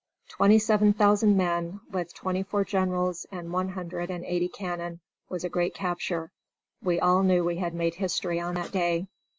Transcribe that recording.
Twenty seven thousand men, with twenty four generals and one hundred and eighty cannon, was a great capture. We all knew we had made history on that day.